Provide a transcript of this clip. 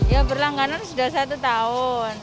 ya berlangganan sudah satu tahun